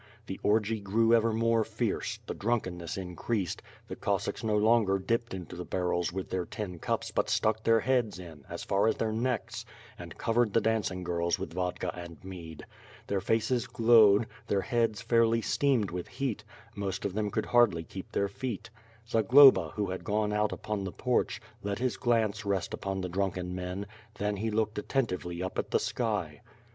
The orgy grew ever more fierce, the drunkenness increased, the Cossacks no longer dipped into the barrels with their tin cups but stuck their heads in, as far as their necks, and covered the dancing girls with vodka and mead. Their faces glowed; the heads fairly steamed with heat; most of them could hardly keep their feet. Zagloba, who had gone out upon tlio porch, let his glance rest upon the drunken men; then lie looked attentively up at the sky.